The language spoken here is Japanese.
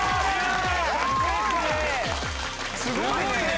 すごいね！